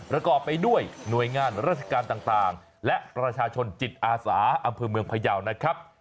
ประกอบไปด้วยหน่วยงานราชการต่างและประชาชนจิตอาสาอำเภอเมืองพยาวนะครับ